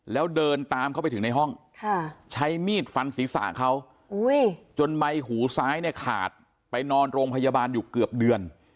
แล้วเดินตามเขาไปถึงในห้องใช้มีดฟันศีรษะเขาจนใบหูซ้ายเนี่ยขาดไปนอนโรงพยาบาลอยู่เกือบเดือน